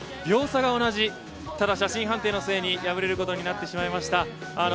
秒差が同じただ写真判定の末に敗れることになってしまいました。